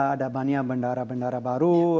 ada banyak bandara bandara baru